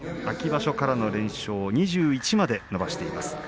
秋場所からの連勝２１まで伸ばしています。